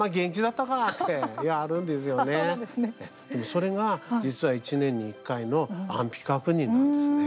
それが、実は１年に１回の安否確認なんですね。